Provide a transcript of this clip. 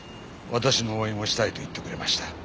私の応援をしたいと言ってくれました。